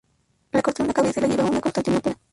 Le cortaron la cabeza y la llevaron a Constantinopla.